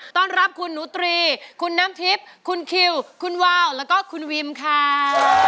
ต้อนรับคุณหนูตรีคุณน้ำทิพย์คุณคิวคุณวาวแล้วก็คุณวิมค่ะ